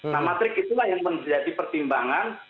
nah matrik itulah yang menjadi pertimbangan